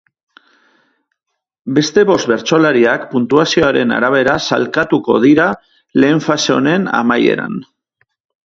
Beste bost bertsolariak puntuazioaren arabera salkatuko dira lehen fase honen amaieran.